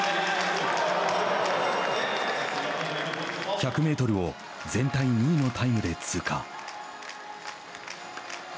１００メートルを全体２位のタイムで通過。